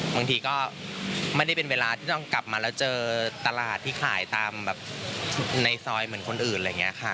บางทีก็ไม่ได้เป็นเวลาที่ต้องกลับมาที่จะเจอตลาดที่ขายในซอยเหมือนคนอื่น